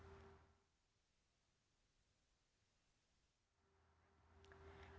berita terkini mengenai cuaca ekstrem dua ribu dua puluh satu